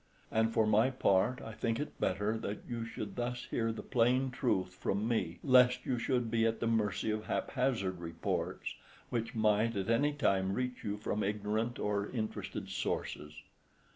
And for my own part I think it better that you should thus hear the plain truth from me, lest you should be at the mercy of haphazard reports, which might at any time reach you from ignorant or interested sources.